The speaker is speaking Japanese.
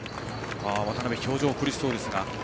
渡邊は表情、苦しそうですが。